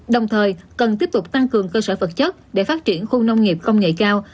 đồng thời cần tiếp tục tăng cường cơ sở vật chất để phát triển khu nông nghiệp công nghệ cao